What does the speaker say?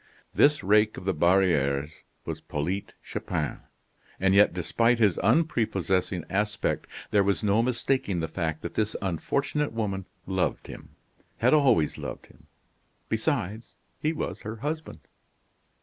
This rake of the barrieres was Polyte Chupin. And yet despite his unprepossessing aspect there was no mistaking the fact that this unfortunate woman loved him had always loved him; besides, he was her husband.